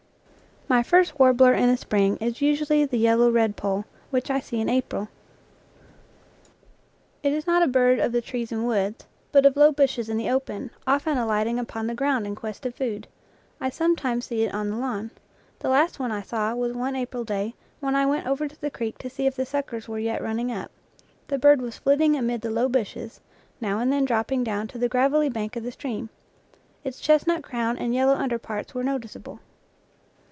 My first warbler in the spring is usually the yel low redpoll, which I see in April. It is not a bird of the trees and woods, but of low bushes in the open, often alighting upon the ground in quest of food. I sometimes see it on the lawn. The last one I saw was one April day, when I went over to the creek to see if the suckers were yet running up. The bird was flitting amid the low bushes, now and then dropping down to the gravelly bank of the stream. Its chestnut crown and yellow under parts were noticeable.